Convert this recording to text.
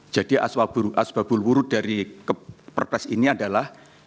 jadi asbabulwurud dari perpres ini adalah